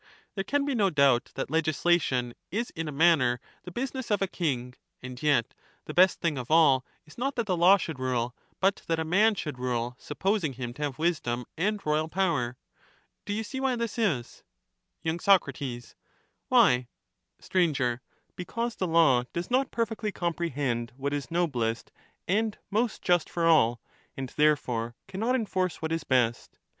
There can be no doubt that legislation is in a manner the business of a king, and yet the best thing of all is not that the law should rule, but that a man should rule sup posing him to have wisdom and royal power. Do you see why this is ? Digitized by VjOOQIC The rough and general character of legislation. 497 K Sac. Why ? Statesman, Sir. Because the law does not perfectly comprehend what strahcek, is noblest and most just for all and therefore cannot enforce ^^"J^^^ what is best.